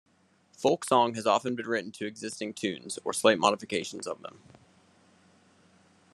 Folk song has often been written to existing tunes, or slight modifications of them.